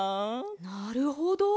なるほど。